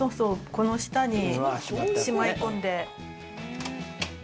この下にしまい込んで。